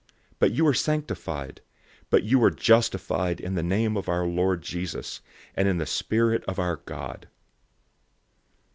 But you were sanctified. But you were justified in the name of the Lord Jesus, and in the Spirit of our God.